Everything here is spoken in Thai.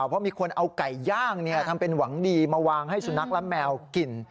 เพราะมีคนเอาไก่ย่างทำเป็นหวังดีมาวางให้สุนัขและแมวกิน